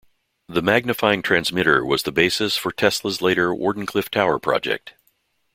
The magnifying transmitter was the basis for Tesla's later Wardenclyffe Tower project.